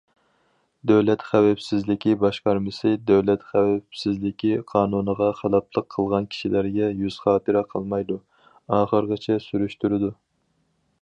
دۆلەت خەۋپسىزلىكى باشقارمىسى دۆلەت خەۋپسىزلىكى قانۇنىغا خىلاپلىق قىلغان كىشىلەرگە يۈز خاتىرە قىلمايدۇ، ئاخىرىغىچە سۈرۈشتۈرىدۇ.